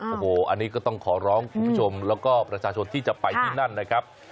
โอ้โหอันนี้ก็ต้องขอร้องคุณผู้ชมแล้วก็ประชาชนที่จะไปที่นั่นนะครับ